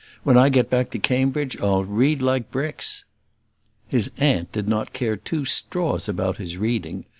When I get back to Cambridge, I'll read like bricks." His aunt did not care two straws about his reading.